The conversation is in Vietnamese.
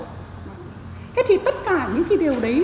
thế thì tất cả những cái điều đấy